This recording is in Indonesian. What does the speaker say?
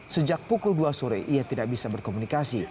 sejak pukul dua sore ia tidak bisa berkomunikasi